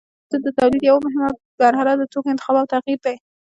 د هر محصول د تولید یوه مهمه مرحله د توکو انتخاب او تغیر دی.